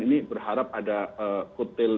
ini berharap ada kutil